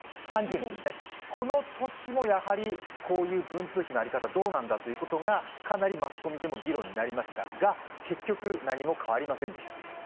この年もやはりこういう文通費の在り方はどうなんだというマスコミでの議論がありましたが、結局、何も変わりませんでした。